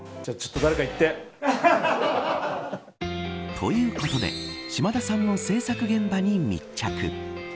ということで島田さんの製作現場に密着。